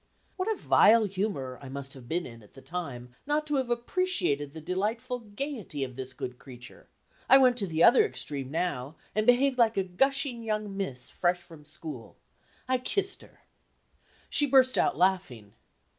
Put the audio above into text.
What a vile humor I must have been in, at the time, not to have appreciated the delightful gayety of this good creature; I went to the other extreme now, and behaved like a gushing young miss fresh from school. I kissed her. She burst out laughing.